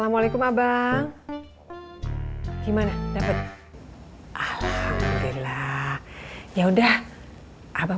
minum dulu ya